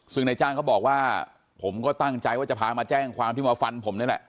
ซึ่งนายจ้างเขาบอกว่าผมก็ตั้งใจว่าจะพามาแจ้งความที่มาฟันผมนี่แหละ